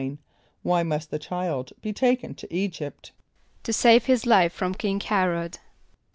= Why must the child be taken to [=E]´[.g][)y]pt? =To save his life from King H[)e]r´od.